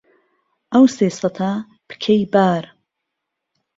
ئەو سێ سهته پکەی بار